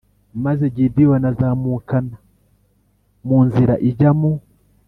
Maze Gideyoni azamukana mu nzira ijya mu